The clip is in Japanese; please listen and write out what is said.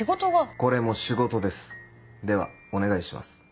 これも仕事ですではお願いします。